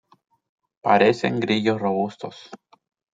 Parecen grillos robustos.